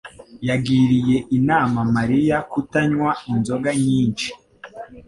yagiriye inama Mariya kutanywa inzoga nyinshi